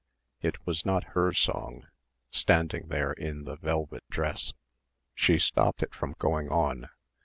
It was not her song, standing there in the velvet dress.... She stopped it from going on.